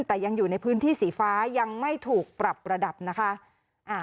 แต่ยังอยู่ในพื้นที่สีฟ้ายังไม่ถูกปรับระดับนะคะ